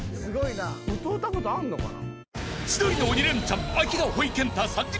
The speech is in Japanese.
歌うたことあんのかな？